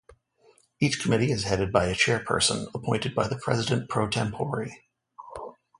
Each committee is headed by a Chairperson, appointed by the president pro tempore.